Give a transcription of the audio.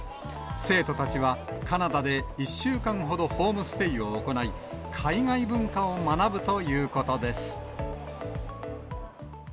生徒たちは、カナダで１週間ほどホームステイを行い、海外文化を学ぶということです。